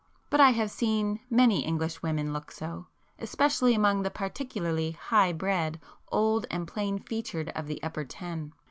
But I have since seen many English women look so, especially among the particularly 'high bred,' old and plain featured of the "upper ten."